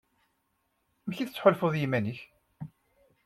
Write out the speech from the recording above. Amek i tettḥulfuḍ i yiman-ik?